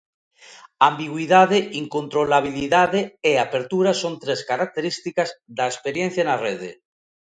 Ambigüidade, incontrolabilidade e apertura son tres características da experiencia na rede.